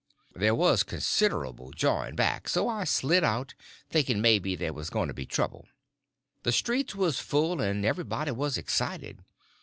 There was considerable jawing back, so I slid out, thinking maybe there was going to be trouble. The streets was full, and everybody was excited.